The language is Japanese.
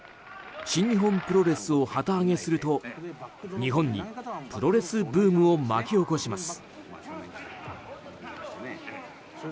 新日本プロレスを旗揚げすると日本にプロレスブームを巻き起こします。